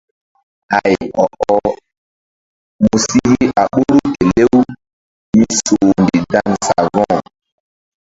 Hay ɔ-ɔh mu si yeh a ɓoru kelew mi soh mbih dan savo̧h.